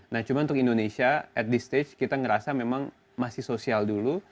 nah cuma untuk indonesia at the stage kita ngerasa memang masih sosial dulu